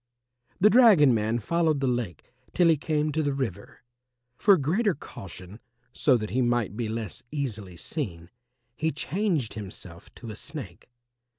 The dragon man followed the lake till he came to the river. For greater caution, so that he might be less easily seen, he changed himself to a Snake.